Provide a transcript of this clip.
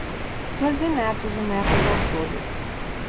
Doze netos e netas ao todo